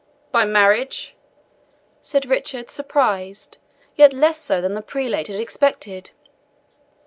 "By marriage!" said Richard, surprised, yet less so than the prelate had expected.